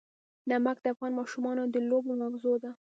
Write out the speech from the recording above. نمک د افغان ماشومانو د لوبو موضوع ده.